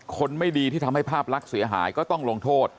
คนไม่ดีที่ทำให้ภาพลักษณ์เสียหายก็ต้องลงโทษ